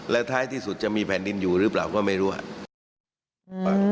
และท้ายที่สุดจะมีแผ่นดินอยู่หรือเปล่าก็ไม่รู้